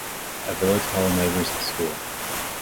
A village hall neighbours the school.